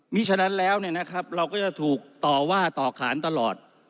มีฉะนั้นแล้วเราก็จะถูกต่อว่าต่อขานตลอด